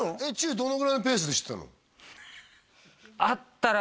どのぐらいのペースでしてたの？